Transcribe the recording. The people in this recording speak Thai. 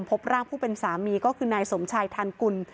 พบร่างผู้เป็นสามีก็คือนายสมชายทันกุล